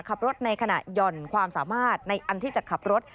ขับรถในขณะหย่อนความสามารถในอันที่จะขับรถ